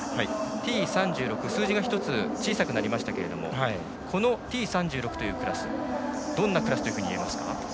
Ｔ３６、数字が１つ小さくなりましたけれどもこのＴ３６というクラスどんなクラスといえますか？